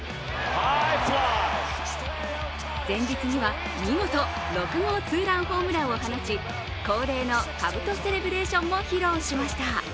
前日には見事、６号ツーランホームランを放ち、恒例のかぶとセレブレーションも披露しました。